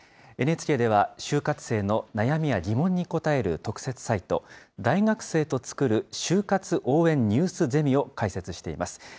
ＮＨＫでは就活生の悩みや疑問に答える特設サイト、大学生とつくる就活応援ニュースゼミを開設しています。